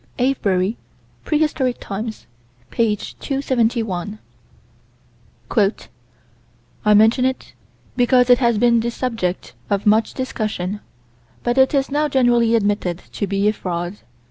Avebury, Prehistoric Times, p. 271: "I mention it because it has been the subject of much discussion, but it is now generally admitted to be a fraud.